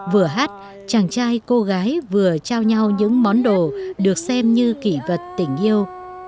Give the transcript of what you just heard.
vừa hát chàng trai cô gái vừa trao nhau những món đồ được xem như kỷ vật tình yêu